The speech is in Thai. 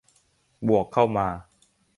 บวกเข้ามา